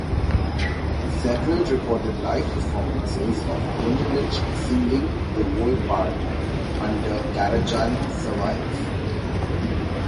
Several recorded live performances of Wunderlich singing the whole part, under Karajan, survive.